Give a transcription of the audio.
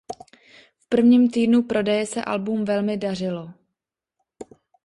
V prvním týdnu prodeje se album velmi dařilo.